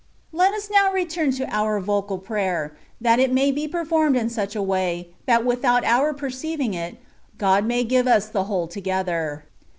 Let us now rettun to our vocal prayer, that it may be performed in such a way, that without our perceiving it, God may give us the whole together.